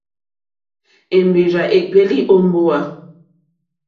Èmbèrzà èkpéélì ó mbówà.